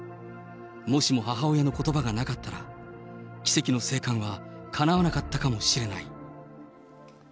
もしも、母親のことばがなかったら奇跡の生還はかなわなかったかもしれない。